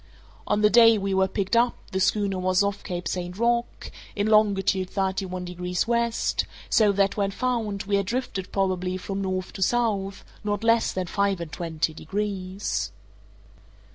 On the day we were picked up the schooner was off Cape St. Roque, in longitude thirty one degrees west; so that, when found, we had drifted probably, from north to south, _not less than five and twenty degrees!